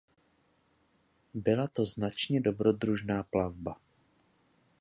Byla to značně dobrodružná plavba.